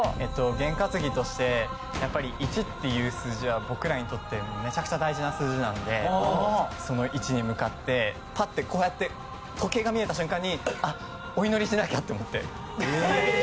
験担ぎとして１っていう数字は僕らにとってめちゃくちゃ大事な数字なのでその１に向かって、パッて時計が見えた瞬間にお祈りしなきゃって思って。